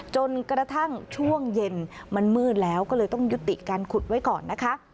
จนกระทั่งช่วงเย็นมันมืดแล้วก็เลยต้องยุติการขุดไว้ก่อนนะคะ